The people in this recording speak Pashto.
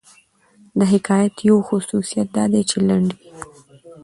د حکایت یو خصوصیت دا دئ، چي لنډ يي.